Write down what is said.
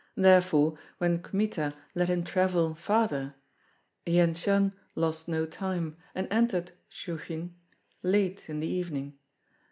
Therefore, when Kmita let him travel farther, Jendzian lost no time, and entered Shchuchyn late in the evening.